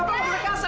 kau scan hanya biasa